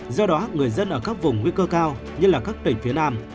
do đó người dân ở các vùng nguy cơ cao như là các tỉnh phía nam